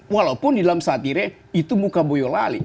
walaupun di dalam satire itu muka boyolali